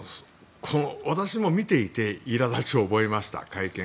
私も見ていていら立ちを覚えました、会見。